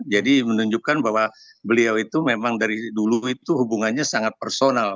jadi menunjukkan bahwa beliau itu memang dari dulu itu hubungannya sangat personal